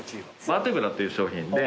バーテブラっていう商品で。